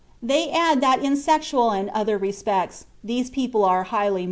They add that in sexual and all other respects these people are highly moral.